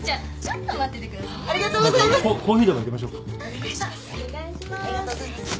ありがとうございます。